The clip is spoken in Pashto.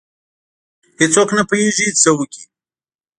هیڅ څوک نه پوهیږي څه وکړي.